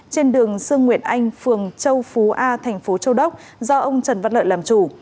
trên đường sương nguyễn anh phường châu phú a thành phố châu đốc do ông trần văn lợi làm chủ